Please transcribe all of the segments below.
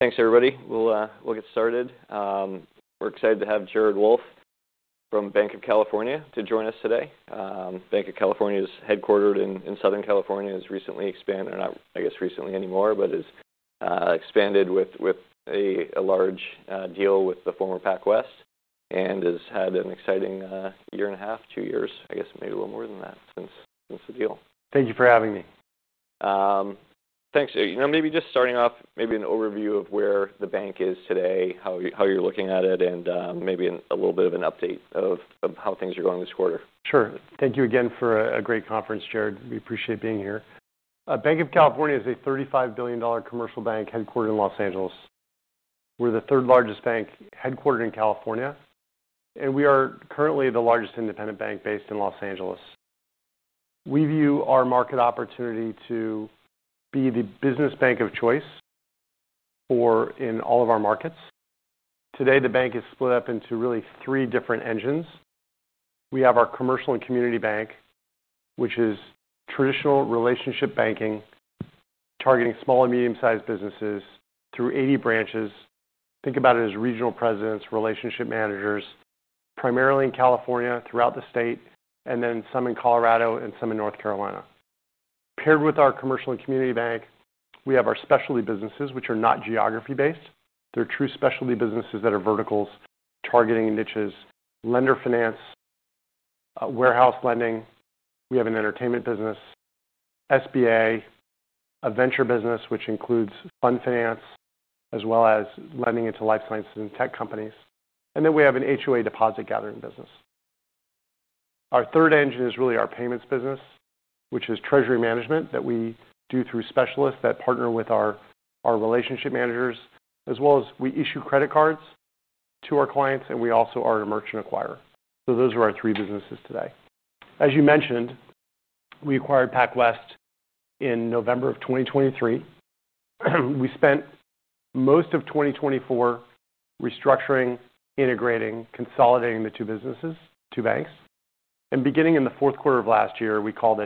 Thanks, everybody. We'll get started. We're excited to have Jared Wolff from Banc of California join us today. Banc of California is headquartered in Southern California, has recently expanded, or not, I guess recently anymore, but has expanded with a large deal with the former PacWest and has had an exciting year and a half, two years, I guess maybe a little more than that since the deal. Thank you for having me. Thanks. Maybe just starting off, maybe an overview of where the bank is today, how you're looking at it, and maybe a little bit of an update of how things are going this quarter. Sure. Thank you again for a great conference, Jared. We appreciate being here. Banc of California is a $35 billion commercial bank headquartered in Los Angeles. We're the third largest bank headquartered in California, and we are currently the largest independent bank based in Los Angeles. We view our market opportunity to be the business bank of choice for in all of our markets. Today, the bank is split up into really three different engines. We have our commercial and community bank, which is traditional relationship banking, targeting small and medium-sized businesses through 80 branches. Think about it as regional presidents, relationship managers, primarily in California, throughout the state, and then some in Colorado and some in North Carolina. Paired with our commercial and community bank, we have our specialty businesses, which are not geography-based. They're true specialty businesses that are verticals, targeting niches, lender finance, warehouse lending. We have an entertainment business, SBA, a venture business, which includes fund finance, as well as lending into life science and tech companies. We have an HOA deposit gathering business. Our third engine is really our payment business, which is treasury management that we do through specialists that partner with our relationship managers, as well as we issue credit cards to our clients, and we also are a merchant acquirer. Those are our three businesses today. As you mentioned, we acquired PacWest in November 2023. We spent most of 2024 restructuring, integrating, consolidating the two businesses, two banks. Beginning in the fourth quarter of last year, we called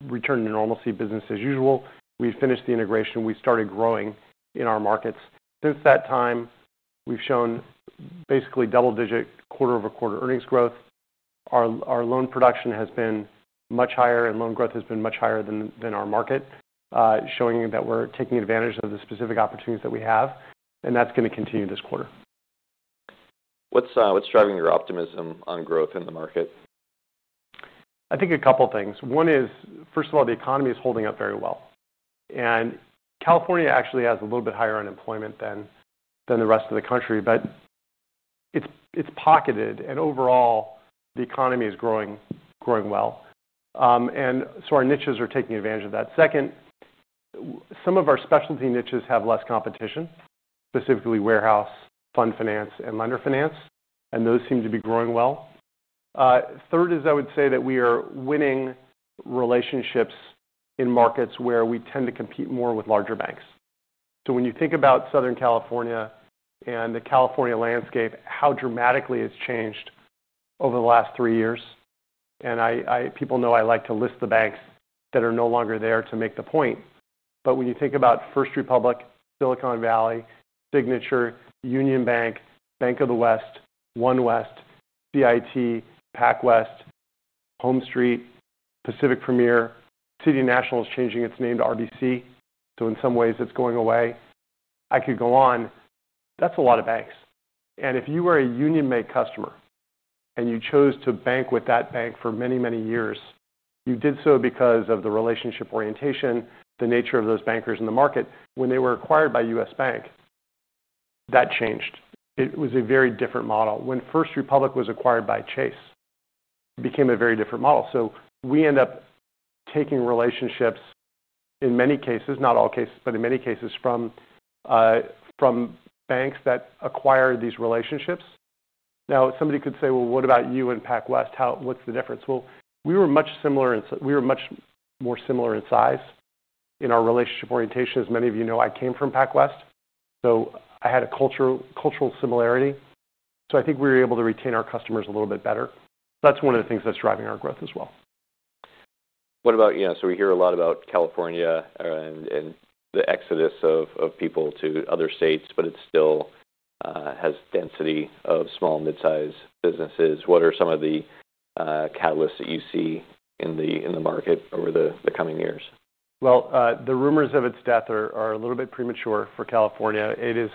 it return to normalcy, business as usual. We finished the integration. We started growing in our markets. Since that time, we've shown basically double-digit quarter-over-quarter earnings growth. Our loan production has been much higher, and loan growth has been much higher than our market, showing that we're taking advantage of the specific opportunities that we have, and that's going to continue this quarter. What's driving your optimism on growth in the markets? I think a couple of things. First of all, the economy is holding up very well. California actually has a little bit higher unemployment than the rest of the country, but it's pocketed, and overall, the economy is growing well. Our niches are taking advantage of that. Some of our specialty niches have less competition, specifically warehouse, fund finance, and lender finance, and those seem to be growing well. I would say that we are winning relationships in markets where we tend to compete more with larger banks. When you think about Southern California and the California landscape, how dramatically it's changed over the last three years, people know I like to list the banks that are no longer there to make the point, but when you think about First Republic, Silicon Valley, Signature, Union Bank, Bank of the West, OneWest, B&T, PacWest, HomeStreet, Pacific Premier, City National is changing its name to RBC. In some ways, it's going away. I could go on. That's a lot of banks. If you were a Union Bank customer and you chose to bank with that bank for many, many years, you did so because of the relationship orientation, the nature of those bankers in the market. When they were acquired by US Bank, that changed. It was a very different model. When First Republic was acquired by Chase, it became a very different model. We end up taking relationships, in many cases, not all cases, but in many cases, from banks that acquire these relationships. Somebody could say, what about you and PacWest? What's the difference? We were much more similar in size in our relationship orientation. As many of you know, I came from PacWest, so I had a cultural similarity. I think we were able to retain our customers a little bit better. That's one of the things that's driving our growth as well. What about, you know, we hear a lot about California and the exodus of people to other states, but it still has density of small and mid-sized businesses. What are some of the catalysts that you see in the market over the coming years? The rumors of its death are a little bit premature for California. It is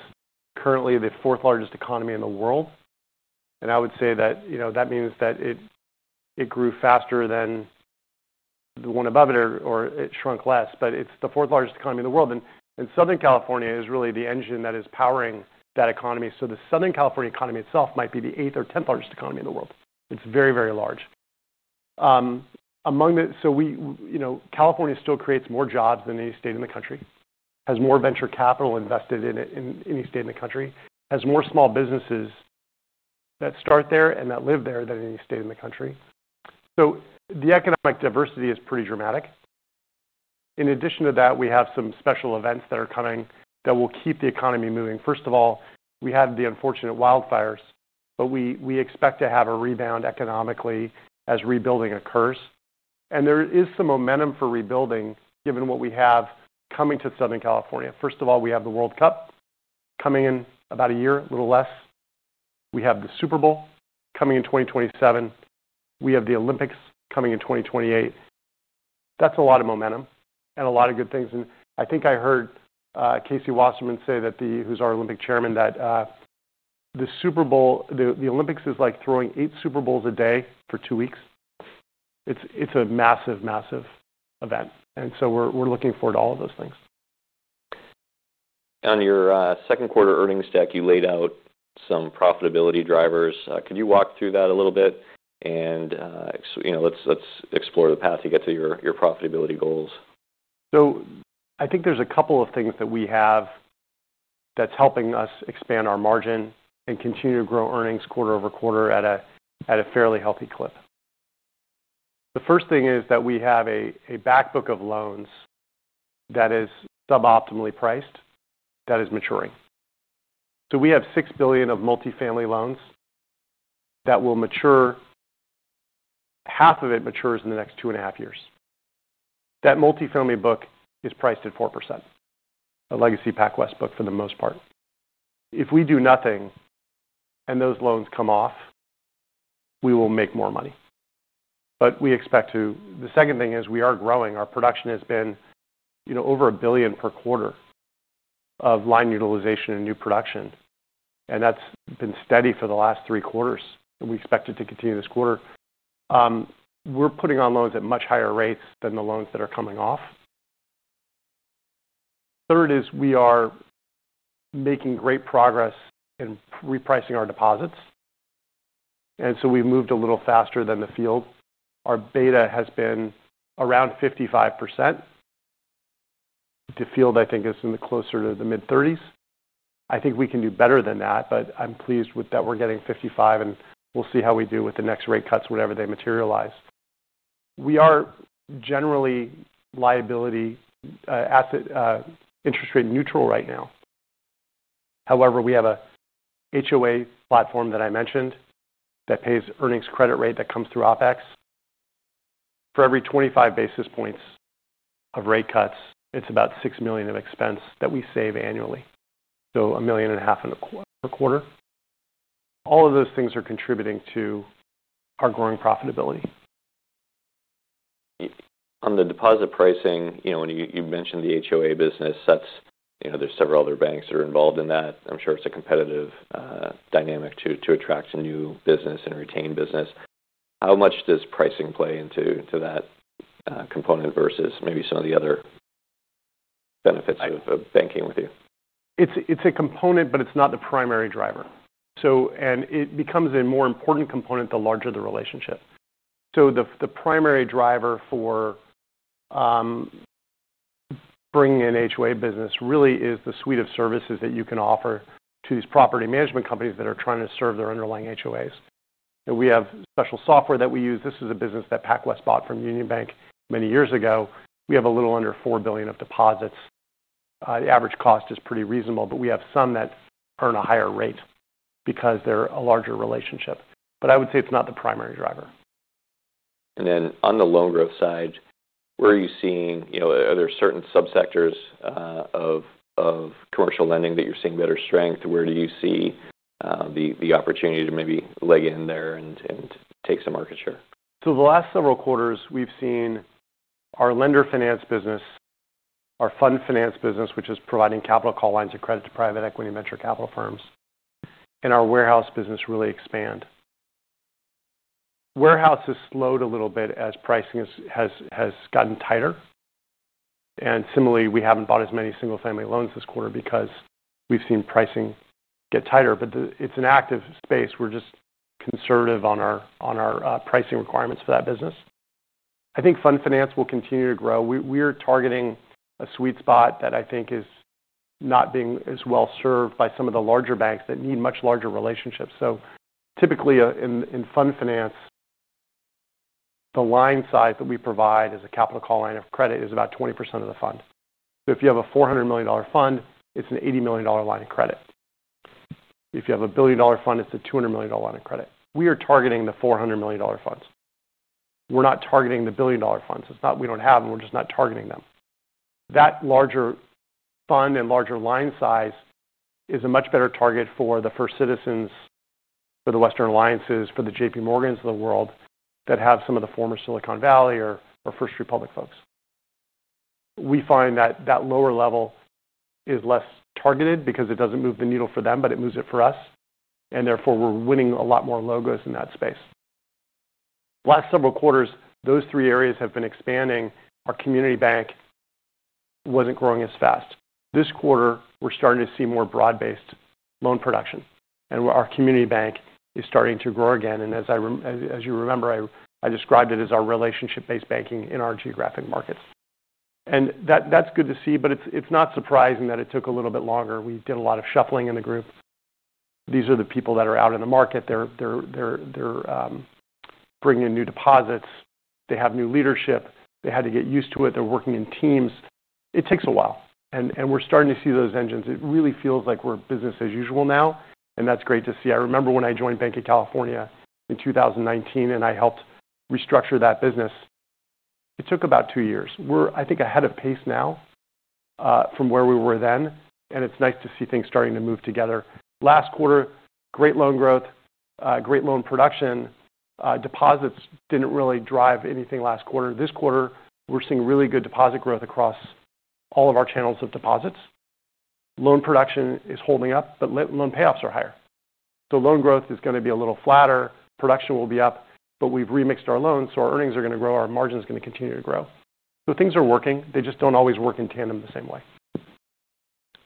currently the fourth largest economy in the world. I would say that means that it grew faster than the one above it or it shrunk less, but it's the fourth largest economy in the world. Southern California is really the engine that is powering that economy. The Southern California economy itself might be the eighth or 10th largest economy in the world. It's very, very large. California still creates more jobs than any state in the country, has more venture capital invested in it than any state in the country, has more small businesses that start there and that live there than any state in the country. The economic diversity is pretty dramatic. In addition to that, we have some special events that are coming that will keep the economy moving. First of all, we had the unfortunate wildfires, but we expect to have a rebound economically as rebuilding occurs. There is some momentum for rebuilding given what we have coming to Southern California. First of all, we have the World Cup coming in about a year, a little less. We have the Super Bowl coming in 2027. We have the Olympics coming in 2028. That's a lot of momentum and a lot of good things. I think I heard Casey Wasserman, who's our Olympic chairman, say that the Olympics is like throwing eight Super Bowls a day for two weeks. It's a massive, massive event. We're looking forward to all of those things. On your second quarter earnings stack, you laid out some profitability drivers. Could you walk through that a little bit? Let's explore the path you get to your profitability goals. I think there's a couple of things that we have that's helping us expand our margin and continue to grow earnings quarter-over-quarter at a fairly healthy clip. The first thing is that we have a backbook of loans that is suboptimally priced that is maturing. We have $6 billion of multifamily loans that will mature. Half of it matures in the next 2.5 years. That multifamily book is priced at 4%, a legacy PacWest book for the most part. If we do nothing and those loans come off, we will make more money. We expect to. The second thing is we are growing. Our production has been over $1 billion per quarter of line utilization and new production. That's been steady for the last three quarters, and we expect it to continue this quarter. We're putting on loans at much higher rates than the loans that are coming off. Third is we are making great progress in repricing our deposits. We've moved a little faster than the field. Our beta has been around 55%. The field, I think, is closer to the mid 30%. I think we can do better than that, but I'm pleased with that we're getting 55%, and we'll see how we do with the next rate cuts, whenever they materialize. We are generally liability asset interest rate neutral right now. However, we have an HOA platform that I mentioned that pays earnings credit rate that comes through OpEx. For every 25 basis points of rate cuts, it's about $6 million of expense that we save annually, so $1.5 million per quarter. All of those things are contributing to our growing profitability. On the deposit pricing, when you mentioned the HOA deposit services business, that's, there's several other banks that are involved in that. I'm sure it's a competitive dynamic to attract new business and retain business. How much does pricing play into that component versus maybe some of the other benefits of banking with you? It's a component, but it's not the primary driver. It becomes a more important component the larger the relationships. The primary driver for bringing in HOA business really is the suite of services that you can offer to these property management companies that are trying to serve their underlying HOAs. We have special software that we use. This is a business that PacWest bought from Union Bank many years ago. We have a little under $4 billion of deposits. The average cost is pretty reasonable, but we have some that earn a higher rate because they're a larger relationship. I would say it's not the primary driver. On the loan growth side, where are you seeing, you know, are there certain subsectors of commercial lending that you're seeing better strength? Where do you see the opportunity to maybe leg in there and take some market share? The last several quarters, we've seen our lender finance business, our fund finance business, which is providing capital call lines of credit to private equity and venture capital firms, and our warehouse business really expand. Warehouse has slowed a little bit as pricing has gotten tighter. Similarly, we haven't bought as many single-family loans this quarter because we've seen pricing get tighter. It's an active space. We're just conservative on our pricing requirements for that business. I think fund finance will continue to grow. We are targeting a sweet spot that I think is not being as well served by some of the larger banks that need much larger relationships. Typically in fund finance, the line size that we provide as a capital call line of credit is about 20% of the fund. If you have a $400 million fund, it's an $80 million line of credit. If you have a $1 billion fund, it's a $200 million line of credit. We are targeting the $400 million funds. We're not targeting the $1 billion funds. It's not that we don't have them. We're just not targeting them. That larger fund and larger line size is a much better target for the First Citizens, for the Western Alliances, for the JPMorgans of the world that have some of the former Silicon Valleyer or First Republic folks. We find that that lower level is less targeted because it doesn't move the needle for them, but it moves it for us. Therefore, we're winning a lot more logos in that space. The last several quarters, those three areas have been expanding. Our community bank wasn't growing as fast. This quarter, we're starting to see more broad-based loan production, and our community bank is starting to grow again. As you remember, I described it as our relationship-based banking in our geographic markets. That's good to see, but it's not surprising that it took a little bit longer. We did a lot of shuffling in the group. These are the people that are out in the market. They're bringing in new deposits. They have new leadership. They had to get used to it. They're working in teams. It takes a while. We're starting to see those engines. It really feels like we're business as usual now. That's great to see. I remember when I joined Banc of California in 2019 and I helped restructure that business. It took about two years. We're, I think, ahead of pace now from where we were then. It's nice to see things starting to move together. Last quarter, great loan growth, great loan production. Deposits didn't really drive anything last quarter. This quarter, we're seeing really good deposit growth across all of our channels of deposits. Loan production is holding up, but loan payoffs are higher. Loan growth is going to be a little flatter. Production will be up, but we've remixed our loans. Our earnings are going to grow. Our margin is going to continue to grow. Things are working. They just don't always work in tandem the same way.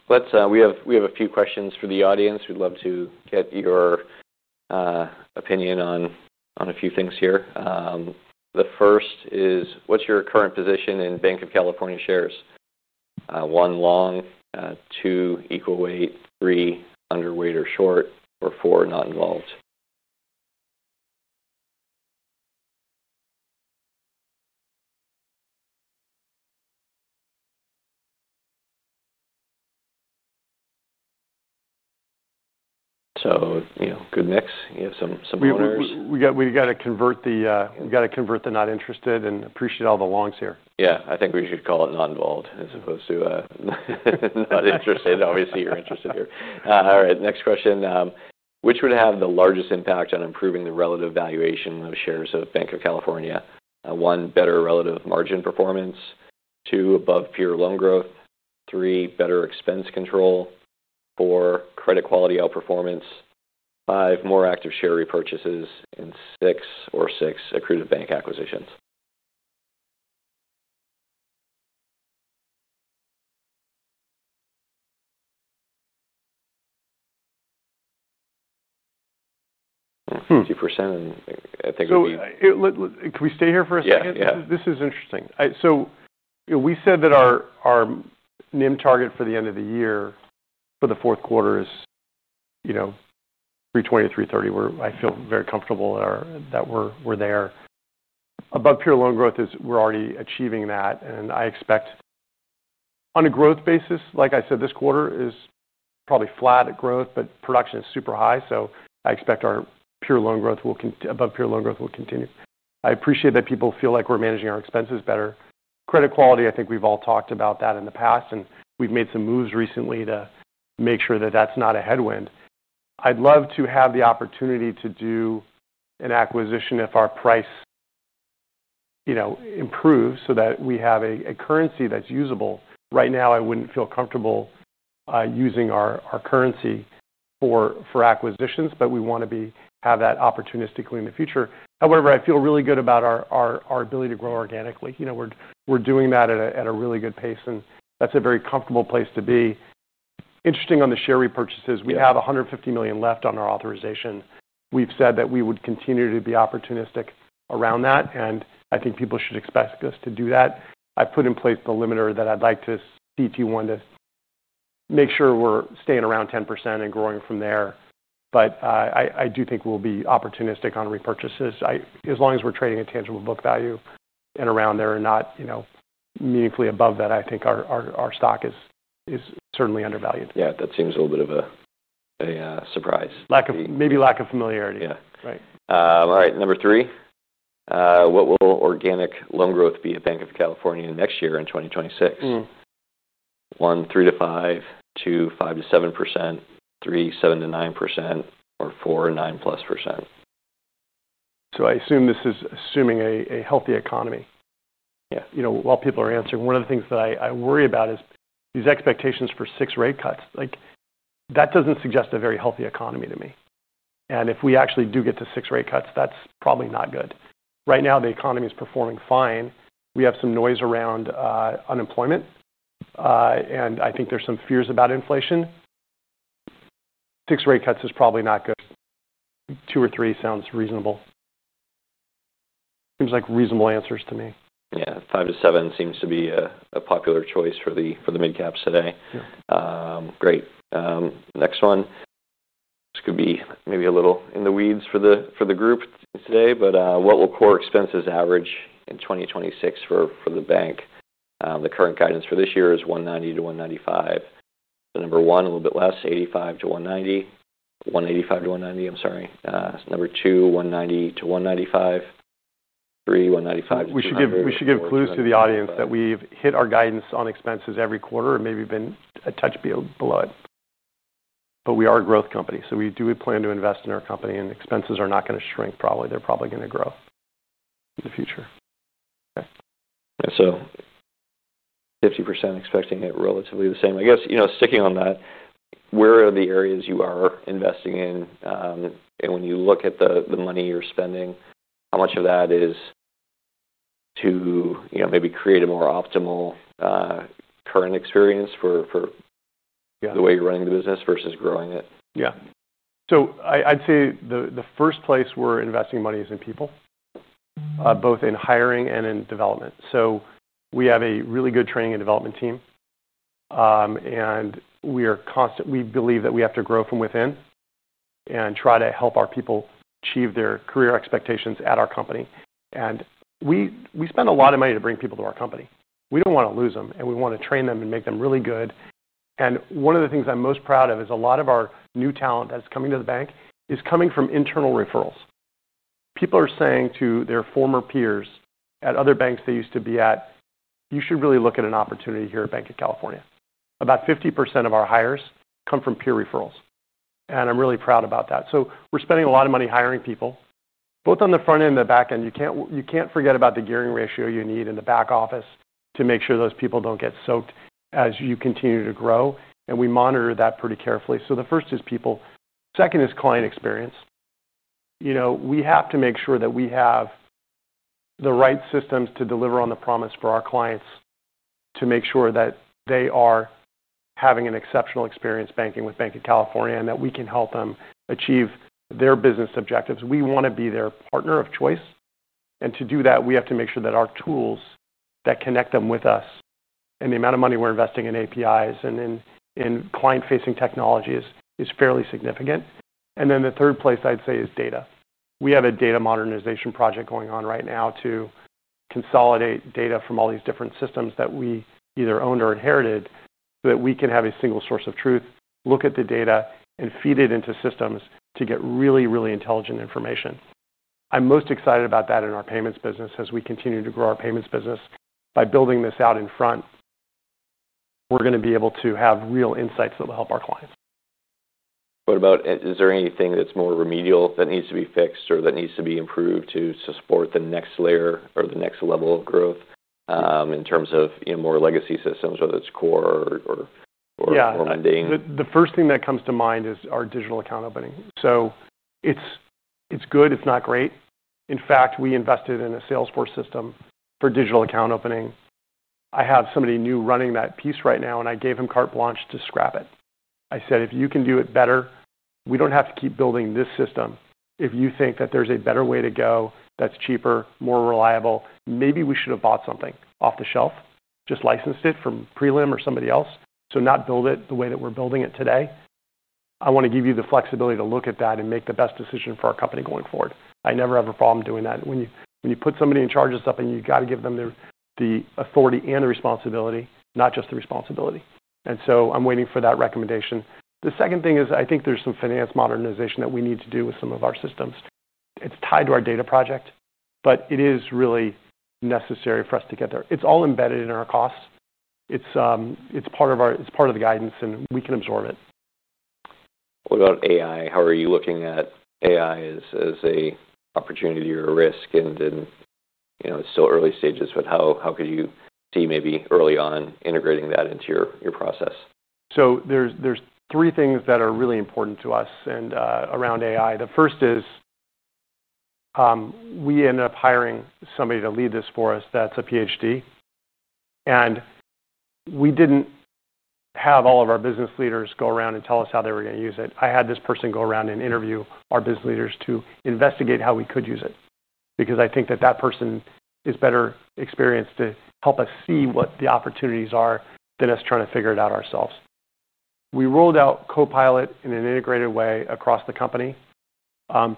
We have a few questions for the audience. We'd love to get your opinion on a few things here. The first is, what's your current position in Banc of California shares? One, long; two, equal weight; three, underweight or short; or four, not involved. You know, good mix. You have some winners. We got to convert the not interested and appreciate all the longs here. Yeah, I think we should call it not involved as opposed to not interested. Obviously, you're interested here. All right, next question. Which would have the largest impact on improving the relative valuation of shares of Banc of California? One, better relative margin performance. Two, above-peer loan growth. Three, better expense control. Four, credit quality outperformance. Five, more active share repurchases. Six, accrued bank acquisitions. 50%. Can we stay here for a second? Yeah. This is interesting. We said that our NIM target for the end of the year for the fourth quarter is 3.20%-3.30%. I feel very comfortable that we're there. Above-peer loan growth is we're already achieving that. I expect on a growth basis, like I said, this quarter is probably flat at growth, but production is super high. I expect our pure loan growth will continue. Above-peer loan growth will continue. I appreciate that people feel like we're managing our expenses better. Credit quality, I think we've all talked about that in the past, and we've made some moves recently to make sure that that's not a headwind. I'd love to have the opportunity to do an acquisition if our price improves so that we have a currency that's usable. Right now, I wouldn't feel comfortable using our currency for acquisitions, but we want to have that opportunistically in the future. However, I feel really good about our ability to grow organically. We're doing that at a really good pace, and that's a very comfortable place to be. Interesting on the share repurchases, we have $150 million left on our authorization. We've said that we would continue to be opportunistic around that, and I think people should expect us to do that. I've put in place the limiter that I'd like the CET1 to make sure we're staying around 10% and growing from there. I do think we'll be opportunistic on repurchases as long as we're trading at tangible book value and around there and not meaningfully above that. I think our stock is certainly undervalued. Yeah, that seems a little bit of a surprise. Lack of familiarity. All right, number three. What will organic loan growth be at Banc of California next year in 2026? One, 3%-5%. Two, 5%-7%. Three, 7%-9%. Or four, 9%+. I assume this is assuming a healthy economy. Yeah. While people are answering, one of the things that I worry about is these expectations for six rate cuts. That doesn't suggest a very healthy economy to me. If we actually do get to six rate cuts, that's probably not good. Right now, the economy is performing fine. We have some noise around unemployment, and I think there's some fears about inflation. Six rate cuts is probably not good. Two or three sounds reasonable. Seems like reasonable answers to me. Yeah, 5%-7% seems to be a popular choice for the mid-caps today. Great. Next one. This could be maybe a little in the weeds for the group today, but what will core expenses average in 2026 for the bank? The current guidance for this year is $190 million-$195 million. Number one, a little bit less, $185 million- $190 million. Number two, $190 million-$195 million. Three, $195 million-$200 million. We should give clues to the audience that we've hit our guidance on expenses every quarter and maybe been a touch below it. We are a growth company, so we do plan to invest in our company, and expenses are not going to shrink. They're probably going to grow in the future. Yeah. 50% expecting it relatively the same. Where are the areas you are investing in? When you look at the money you're spending, how much of that is to, you know, maybe create a more optimal, current experience for the way you're running the business versus growing it? Yeah. I'd say the first place we're investing money is in people, both in hiring and in development. We have a really good training and development team, and we are constantly, we believe that we have to grow from within and try to help our people achieve their career expectations at our company. We spend a lot of money to bring people to our company. We don't want to lose them, and we want to train them and make them really good. One of the things I'm most proud of is a lot of our new talent that is coming to the bank is coming from internal referrals. People are saying to their former peers at other banks they used to be at, you should really look at an opportunity here at Banc of California. About 50% of our hires come from peer referrals. I'm really proud about that. We're spending a lot of money hiring people, both on the front end and the back end. You can't forget about the gearing ratio you need in the back office to make sure those people don't get soaked as you continue to grow. We monitor that pretty carefully. The first is people. Second is client experience. We have to make sure that we have the right systems to deliver on the promise for our clients to make sure that they are having an exceptional experience banking with Banc of California and that we can help them achieve their business objectives. We want to be their partner of choice. To do that, we have to make sure that our tools that connect them with us and the amount of money we're investing in APIs and in client-facing technologies is fairly significant. The third place I'd say is data. We have a data modernization project going on right now to consolidate data from all these different systems that we either owned or inherited so that we can have a single source of truth, look at the data, and feed it into systems to get really, really intelligent information. I'm most excited about that in our payments business as we continue to grow our payments business by building this out in front. We're going to be able to have real insights that will help our clients. Is there anything that's more remedial that needs to be fixed or that needs to be improved to support the next layer or the next level of growth, in terms of more legacy systems, whether it's core or lending? The first thing that comes to mind is our digital account opening. It's good, it's not great. In fact, we invested in a Salesforce system for digital account opening. I have somebody new running that piece right now, and I gave him carte blanche to scrap it. I said, if you can do it better, we don't have to keep building this system. If you think that there's a better way to go that's cheaper, more reliable, maybe we should have bought something off the shelf, just licensed it from prelim or somebody else, not build it the way that we're building it today. I want to give you the flexibility to look at that and make the best decision for our company going forward. I never have a problem doing that. When you put somebody in charge of something, you've got to give them the authority and the responsibility, not just the responsibility. I'm waiting for that recommendation. The second thing is I think there's some finance modernization that we need to do with some of our systems. It's tied to our data project, but it is really necessary for us to get there. It's all embedded in our costs. It's part of our guidance, and we can absorb it. What about AI? How are you looking at AI as an opportunity or a risk? It's still early stages, but how could you see maybe early on integrating that into your process? There are three things that are really important to us and around AI. The first is we ended up hiring somebody to lead this for us that's a PhD. We didn't have all of our business leaders go around and tell us how they were going to use it. I had this person go around and interview our business leaders to investigate how we could use it because I think that that person is better experienced to help us see what the opportunities are than us trying to figure it out ourselves. We rolled out Copilot in an integrated way across the company.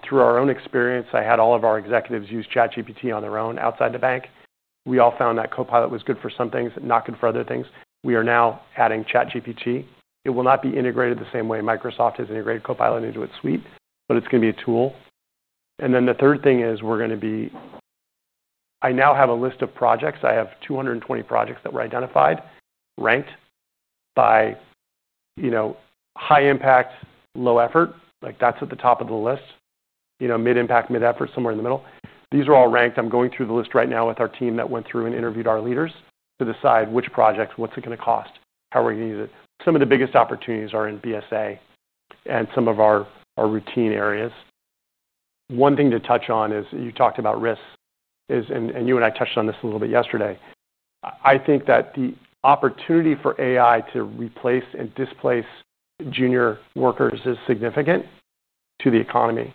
Through our own experience, I had all of our executives use ChatGPT on their own outside the bank. We all found that Copilot was good for some things, not good for other things. We are now adding ChatGPT. It will not be integrated the same way Microsoft has integrated Copilot into its suite, but it's going to be a tool. The third thing is we're going to be, I now have a list of projects. I have 220 projects that were identified, ranked by high impact, low effort, like that's at the top of the list, mid-impact, mid-effort, somewhere in the middle. These are all ranked. I'm going through the list right now with our team that went through and interviewed our leaders to decide which projects, what's it going to cost, how are we going to use it. Some of the biggest opportunities are in BSA and some of our routine areas. One thing to touch on is you talked about risks and you and I touched on this a little bit yesterday. I think that the opportunity for AI to replace and displace junior workers is significant to the economy.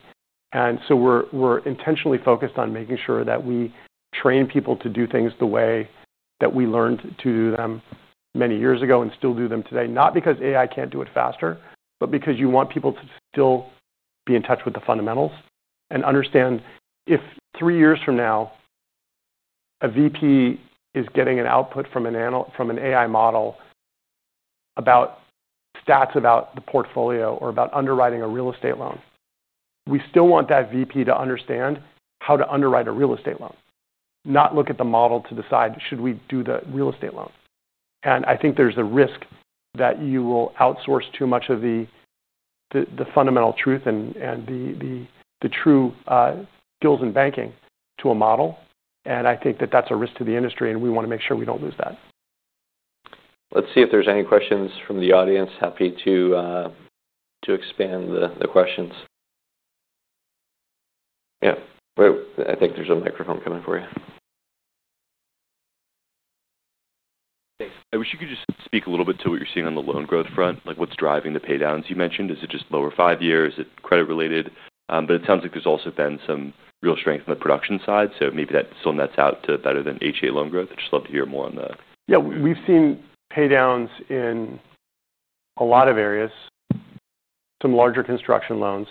We are intentionally focused on making sure that we train people to do things the way that we learned to do them many years ago and still do them today. Not because AI can't do it faster, but because you want people to still be in touch with the fundamentals and understand if three years from now a VP is getting an output from an AI model about stats about the portfolio or about underwriting a real estate loan, we still want that VP to understand how to underwrite a real estate loan, not look at the model to decide should we do the real estate loan. I think there's a risk that you will outsource too much of the fundamental truth and the true skills in banking to a model. I think that that's a risk to the industry, and we want to make sure we don't lose that. Let's see if there's any questions from the audience. Happy to expand the questions. I think there's a microphone coming for you. Thanks. I wish you could just speak a little bit to what you're seeing on the loan growth front. What's driving the paydowns you mentioned? Is it just lower five-year? Is it credit-related? It sounds like there's also been some real strength in the production side. Maybe that still nets out to better than HOA loan growth. I'd just love to hear more on the. Yeah, we've seen paydowns in a lot of areas, some larger construction loans.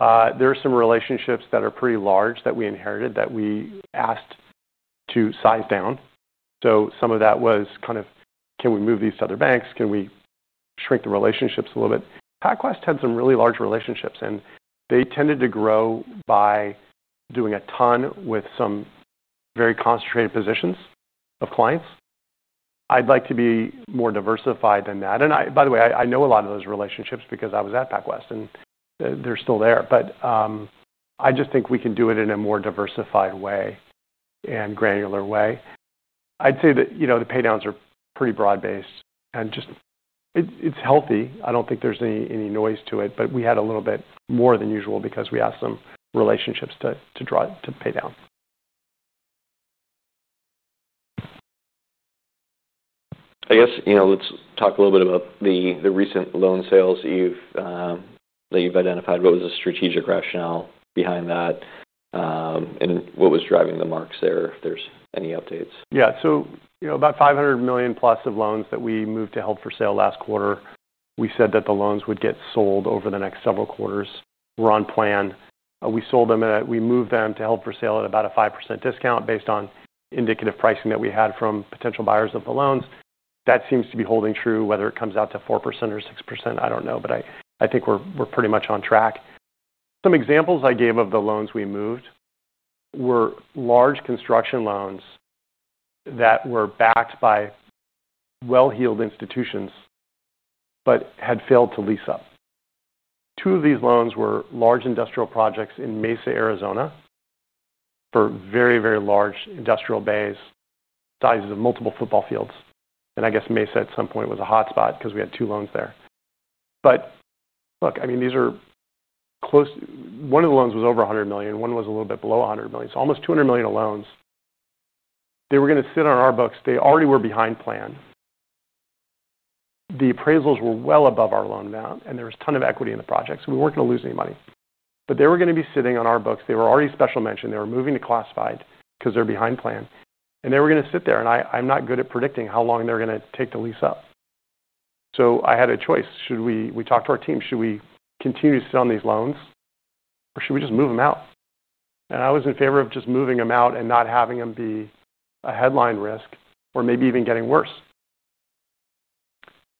There are some relationships that are pretty large that we inherited that we asked to size down. Some of that was kind of, can we move these to other banks? Can we shrink the relationships a little bit? PacWest had some really large relationships, and they tended to grow by doing a ton with some very concentrated positions of clients. I'd like to be more diversified than that. By the way, I know a lot of those relationships because I was at PacWest, and they're still there. I just think we can do it in a more diversified way and granular way. I'd say that the paydowns are pretty broad-based, and it's healthy. I don't think there's any noise to it, but we had a little bit more than usual because we asked some relationships to draw to pay down. I guess, you know, let's talk a little bit about the recent loan sales that you've identified. What was the strategic rationale behind that, and what was driving the marks there if there's any updates? Yeah, so, you know, about $500+ million of loans that we moved to held for sale last quarter. We said that the loans would get sold over the next several quarters. We're on plan. We sold them at, we moved them to held for sale at about a 5% discount based on indicative pricing that we had from potential buyers of the loans. That seems to be holding true. Whether it comes out to 4%-6%, I don't know, but I think we're pretty much on track. Some examples I gave of the loans we moved were large construction loans that were backed by well-heeled institutions but had failed to lease us. Two of these loans were large industrial projects in Mesa, Arizona, for very, very large industrial bays, sizes of multiple football fields. I guess Mesa at some point was a hotspot because we had two loans there. Look, I mean, these are close. One of the loans was over $100 million. One was a little bit below $100 million. So almost $200 million of loans. They were going to sit on our books. They already were behind plan. The appraisals were well above our loan amount, and there was a ton of equity in the project. We weren't going to lose any money. They were going to be sitting on our books. They were already special mentioned. They were moving to classified because they're behind plan. They were going to sit there. I'm not good at predicting how long they're going to take to lease us. I had a choice. Should we talk to our team? Should we continue to sit on these loans? Or should we just move them out? I was in favor of just moving them out and not having them be a headline risk or maybe even getting worse.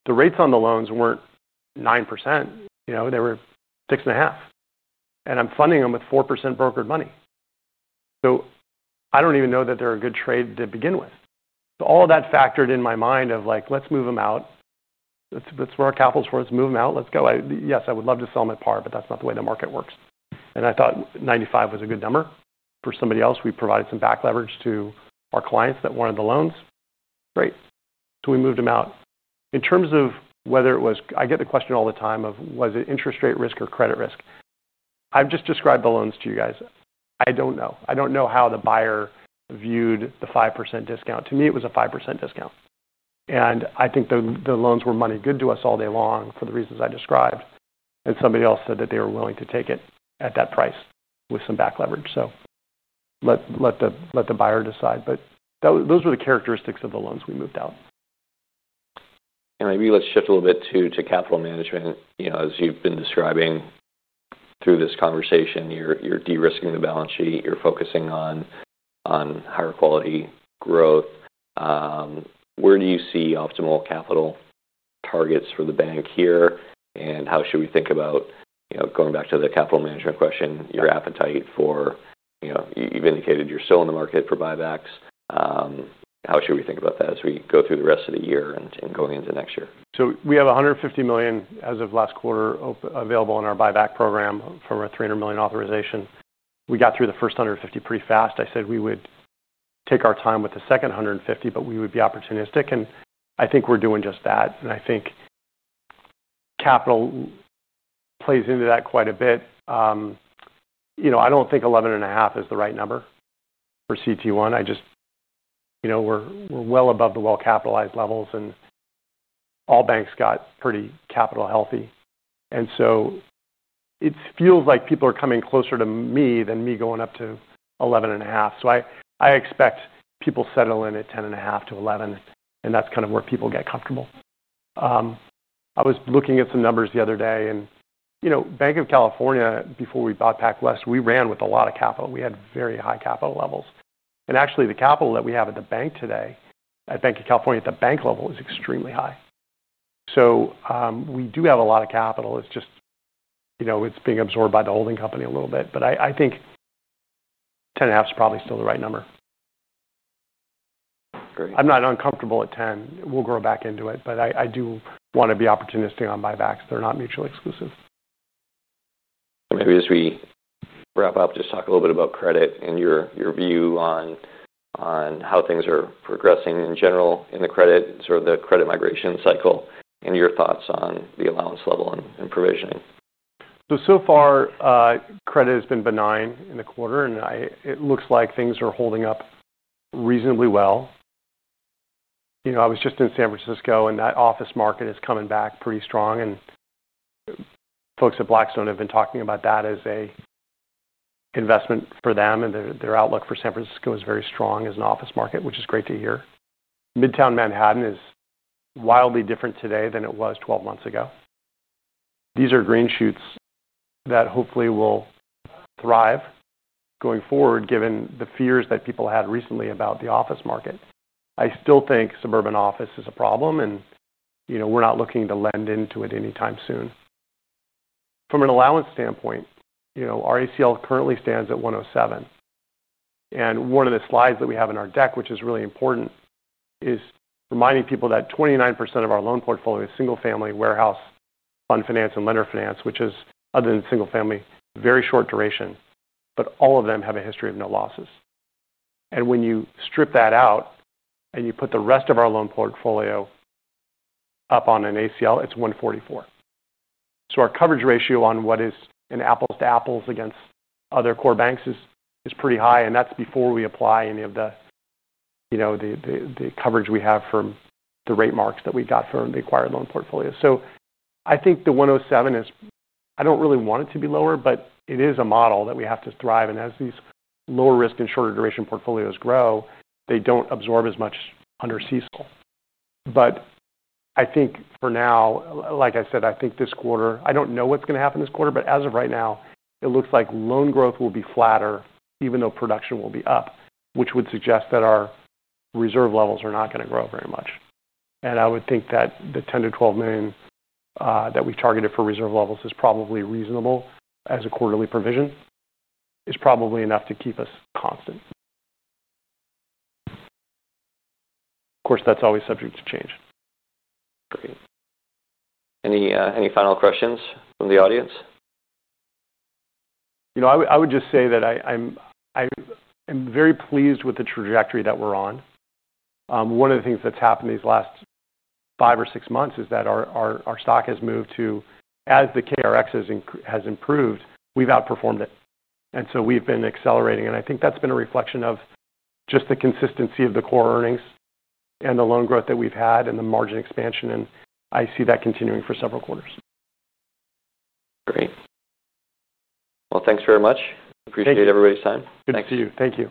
The rates on the loans weren't 9%. They were 6.5%. I'm funding them with 4% brokered money. I don't even know that they're a good trade to begin with. All of that factored in my mind of like, let's move them out. Let's run our capital scores. Let's move them out. Let's go. Yes, I would love to sell them at par, but that's not the way the market works. I thought 95% was a good number for somebody else. We provided some back leverage to our clients that wanted the loans. Great. We moved them out. In terms of whether it was, I get the question all the time of, was it interest rate risk or credit risk? I've just described the loans to you guys. I don't know. I don't know how the buyer viewed the 5% discount. To me, it was a 5% discount. I think the loans were money good to us all day long for the reasons I described. Somebody else said that they were willing to take it at that price with some back leverage. Let the buyer decide. Those were the characteristics of the loans we moved out. Let's shift a little bit to capital management. As you've been describing through this conversation, you're de-risking the balance sheet. You're focusing on higher quality growth. Where do you see optimal capital targets for the bank here? How should we think about, going back to the capital management question, your appetite for, you've indicated you're still in the market for buybacks. How should we think about that as we go through the rest of the year and going into next year? We have $150 million as of last quarter available in our buyback program from our $300 million authorization. We got through the first $150 million pretty fast. I said we would take our time with the second $150 million, but we would be opportunistic. I think we're doing just that. I think capital plays into that quite a bit. I don't think $11.5 million is the right number for CET1. We're well above the well-capitalized levels, and all banks got pretty capital healthy. It feels like people are coming closer to me than me going up to $11.5 million. I expect people settle in at $10.5 million-$11 million, and that's kind of where people get comfortable. I was looking at some numbers the other day. Banc of California, before we bought PacWest, ran with a lot of capital. We had very high capital levels. Actually, the capital that we have at the bank today, at Banc of California, at the bank level is extremely high. We do have a lot of capital. It's just being absorbed by the holding company a little bit. I think $10.5 million is probably still the right number. Great. I'm not uncomfortable at $10 million. We'll grow back into it. I do want to be opportunistic on buybacks. They're not mutually exclusive. Maybe we just wrap up, just talk a little bit about credit and your view on how things are progressing in general in the credit and sort of the credit migration cycle, and your thoughts on the allowance level and provisioning. So far, credit has been benign in the quarter, and it looks like things are holding up reasonably well. I was just in San Francisco, and that office market is coming back pretty strong. Folks at Blackstone have been talking about that as an investment for them, and their outlook for San Francisco is very strong as an office market, which is great to hear. Midtown Manhattan is wildly different today than it was 12 months ago. These are green shoots that hopefully will thrive going forward, given the fears that people had recently about the office market. I still think suburban office is a problem, and we're not looking to lend into it anytime soon. From an allowance standpoint, our ACL currently stands at 107 basis points. One of the slides that we have in our deck, which is really important, is reminding people that 29% of our loan portfolio is single-family, warehouse, fund finance, and lender finance, which is, other than single-family, very short duration. All of them have a history of no losses. When you strip that out and you put the rest of our loan portfolio up on an ACL, it's 144 basis points. Our coverage ratio on what is an apples-to-apples against other core banks is pretty high, and that's before we apply any of the coverage we have from the rate marks that we got from the acquired loan portfolio. I think the 107 basis points is, I don't really want it to be lower, but it is a model that we have to thrive. As these lower risk and shorter duration portfolios grow, they don't absorb as much under CECL. For now, like I said, I think this quarter, I don't know what's going to happen this quarter, but as of right now, it looks like loan growth will be flatter, even though production will be up, which would suggest that our reserve levels are not going to grow very much. I would think that the $10 million-$12 million that we've targeted for reserve levels is probably reasonable as a quarterly provision. It's probably enough to keep us constant. Of course, that's always subject to change. Great. Any final questions from the audience? I would just say that I'm very pleased with the trajectory that we're on. One of the things that's happened these last five or six months is that our stock has moved to, as the KRX has improved, we've outperformed it. We've been accelerating. I think that's been a reflection of just the consistency of the core earnings and the loan growth that we've had and the margin expansion. I see that continuing for several quarters. Great. Thank you very much. Appreciate everybody's time. Thank you. Thank you.